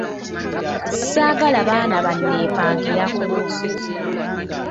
Saagala baana banneepankirako.